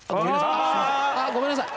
あごめんなさい！